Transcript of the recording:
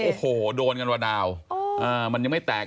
โอ้โหโดนกันว่าดาวมันยังไม่แตก